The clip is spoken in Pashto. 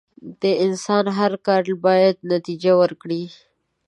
د انسان هر کار بايد نتیجه ورکړي.